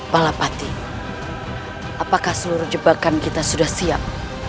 palapati apakah seluruh jebakan kita sudah siap